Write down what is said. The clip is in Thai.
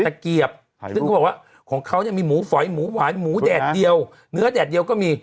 แต่เกียบถ้ากนุนของเขาจะมีหมูสอยหมูหวานหมูแดดเดียวเนื้อแดดเดียวก็มี